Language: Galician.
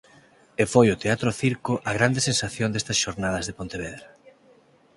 E foi o Teatro Circo a grande sensación destas Xornadas de Pontevedra.